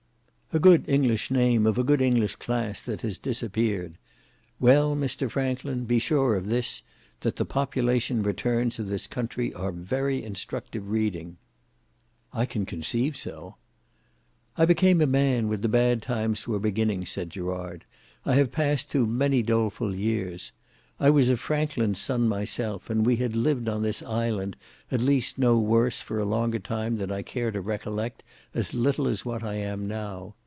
"A good English name of a good English class that has disappeared. Well, Mr Franklin, be sure of this, that the Population Returns of this country are very instructive reading." "I can conceive so." "I became a man when the bad times were beginning," said Gerard; "I have passed through many doleful years. I was a Franklin's son myself, and we had lived on this island at least no worse for a longer time than I care to recollect as little as what I am now.